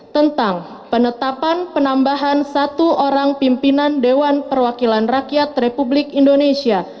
tentang penetapan penambahan satu orang pimpinan dewan perwakilan rakyat republik indonesia